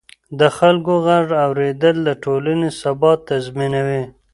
د خلکو غږ اورېدل د ټولنې ثبات تضمینوي